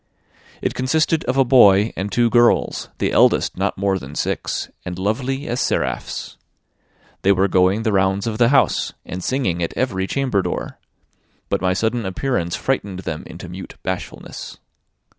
It consisted of a boy and two girls, the eldest not more than six, and lovely as seraphs. They were going the rounds of the house, and singing at every chamber door; but my sudden appearance frightened them into mute bashfulness.